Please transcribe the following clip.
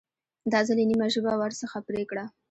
دا ځل یې نیمه ژبه ورڅخه پرې کړه.